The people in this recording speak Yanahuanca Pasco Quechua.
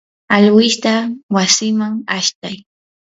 alwishta wasiman ashtay.